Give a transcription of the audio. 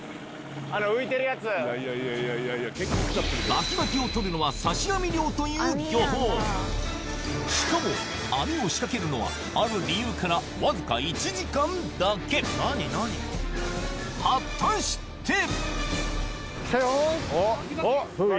荒波の中あれだ！という漁法しかも網を仕掛けるのはある理由からわずか１時間だけ果たして！